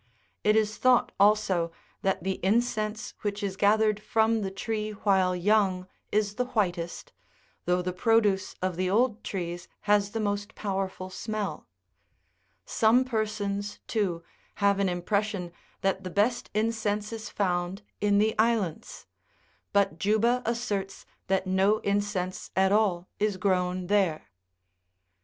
It is thought, also, that the incense which is gathered from the tree while young is the whitest, though the produce of the old trees has the most powerful smell ; some persons, too, have an impres sion that the best incense is found in the islands, but Juba asserts that no incense at all is grown there.